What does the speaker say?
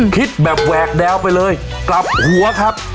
คิดแบบแหวกแนวไปเลยกลับหัวครับ